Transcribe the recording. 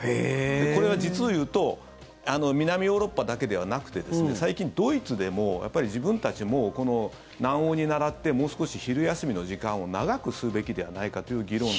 これは実をいうと南ヨーロッパだけではなくて最近、ドイツでも自分たちも南欧に倣ってもう少し昼休みの時間を長くするべきではないかという議論が。